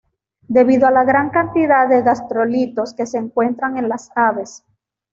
Debido a la gran cantidad de gastrolitos que se encuentran en las aves.